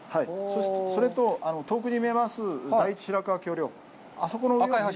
それと、遠くに見えます、第１白河橋梁、赤い橋。